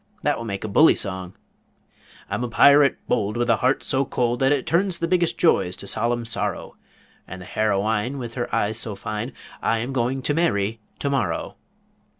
That will make a bully song: "I'm a pirate bold With a heart so cold That it turns the biggest joys to solemn sorrow; And the hero ine, With her eyes so fine, I am going to marry to morrow.